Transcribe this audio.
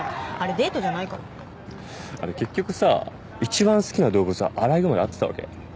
デートじゃないからあれ結局さ一番好きな動物はアライグマで合ってたわけ？